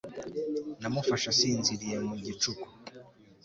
namufashe asinziriye mu gicuku